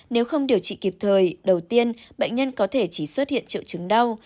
nếu không điều trị kịp thời đầu tiên bệnh nhân có thể chỉ xuất hiện triệu chứng đau